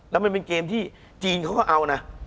แล้วมันเป็นเกมที่จีนเขาก็เอานะ